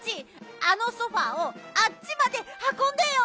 あのソファーをあっちまではこんでよ。